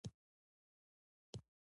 ښه چلند د عزت لامل ګرځي.